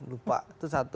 lupa itu satu